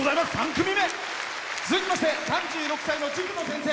続きまして３６歳の塾の先生。